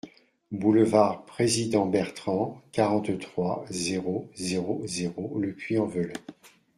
Boulevard Président Bertrand, quarante-trois, zéro zéro zéro Le Puy-en-Velay